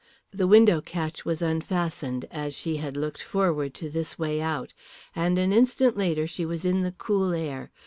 The window catch was unfastened, as she had looked forward to this way out, and an instant later she was in the cool air.